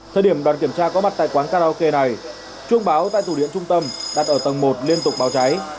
thời điểm đoàn kiểm tra có mặt tại quán karaoke này chuông báo tại thủ điện trung tâm đặt ở tầng một liên tục báo cháy